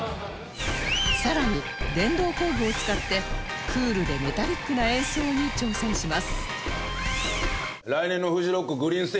さらに電動工具を使ってクールでメタリックな演奏に挑戦します